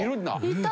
いた！